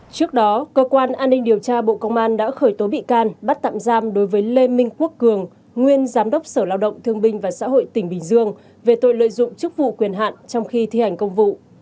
trước đó cơ quan an ninh điều tra bộ công an đã khởi tố bị can bắt tạm giam đối với lê minh quốc cường nguyên giám đốc sở lao động thương binh và xã hội tỉnh bình dương về tội lợi dụng chức vụ quyền hạn trong khi thi hành công vụ